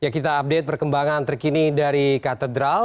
kita update perkembangan terkini dari katedral